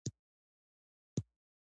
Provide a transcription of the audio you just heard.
ماري سټیفن هم ورسره ملګرې وه.